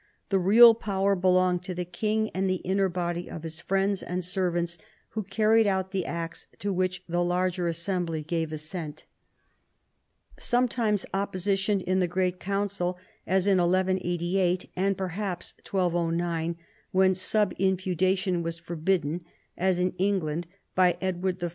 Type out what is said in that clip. The real power belonged to the king and the inner body of his friends and servants, who carried out the acts to which the larger assembly gave assent. Sometimes opposition 132 PHILIP AUGUSTUS chap. in the great council, as in 1188 (and perhaps 1209, when sub infeudation was forbidden, as in England by Edward I.'